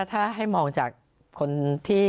ถ้าให้มองจากคนที่